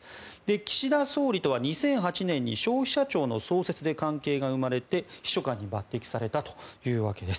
岸田総理とは２００８年に消費者庁の創設で関係が生まれて秘書官に抜てきされたというわけです。